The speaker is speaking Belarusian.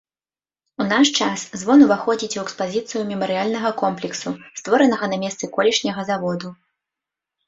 У наш час звон уваходзіць у экспазіцыю мемарыяльнага комплексу, створанага на месцы колішняга заводу.